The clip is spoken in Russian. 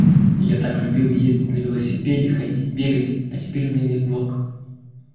Я так любил ездить на велосипеде, ходить, бегать, а теперь у меня нет ног.